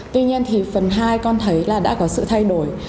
tuy nhiên thì phần hai con thấy là đã có sự thay đổi